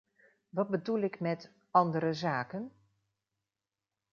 Wat bedoel ik met ‘andere zaken’?